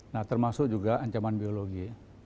nah termasuk juga ancaman biologi